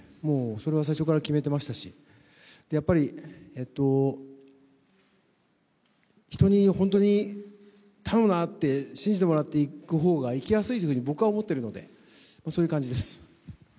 それは最初から決めていましたし、やっぱり人に本当に頼むなって、信じてもらっていく方がいきやすいと僕は思っているのでそういう感じです。